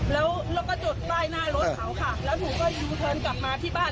แล้วแล้วก็จดป้ายหน้ารถเขาค่ะแล้วหนูก็ยูเทิร์นกลับมาที่บ้าน